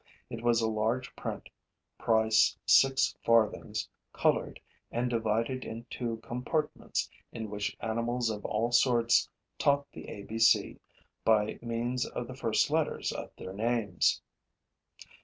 It was a large print, price six farthings, colored and divided into compartments in which animals of all sorts taught the A B C by means of the first letters of their names.